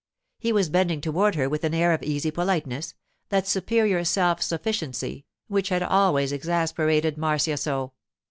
He was bending toward her with that air of easy politeness, that superior self sufficiency, which had always exasperated Marcia so.